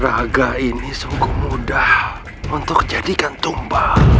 raga ini sungguh mudah untuk jadikan tumba